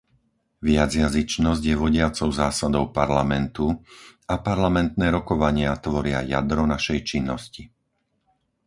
Viacjazyčnosť je vodiacou zásadou Parlamentu a parlamentné rokovania tvoria jadro našej činnosti.